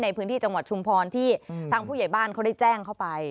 ในพื้นที่จังหวัดชุมพรที่ทางผู้ใหญ่บ้านเขาได้แจ้งเข้าไป